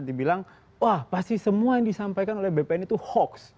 dibilang wah pasti semua yang disampaikan oleh bpn itu hoax